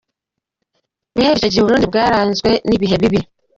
Guhera icyo gihe u Burundi bwaranzwe n’ibihe bibi.